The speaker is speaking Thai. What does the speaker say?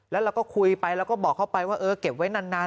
แล้วเราก็คุยไปแล้วก็บอกเขาไปว่าเออเก็บไว้นาน